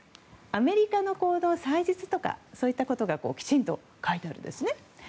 アメリカの祭日とかそういったことがきちんと書いてあるんですね。